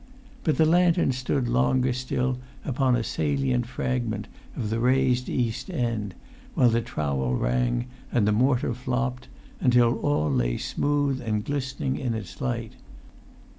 But the lantern stood longer still upon a salient fragment of the razed east end, while the trowel rang, and the mortar flopped, until all lay smooth and glistening in its light.